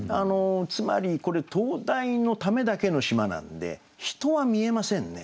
つまりこれ「灯台のためだけの島」なので人は見えませんね。